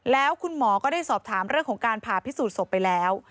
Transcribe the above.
แล้วคุณหมอก็ได้สอบถามเรื่องของการผ่าพิสูจนศพไปแล้ว